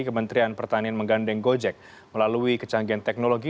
kementerian pertanian menggandeng gojek melalui kecanggihan teknologi